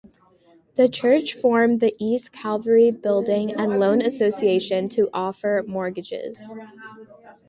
The church formed the East Calvary Building and Loan Association to offer mortgages.